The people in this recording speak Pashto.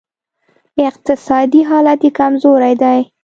اقتصادي حالت یې کمزوری دی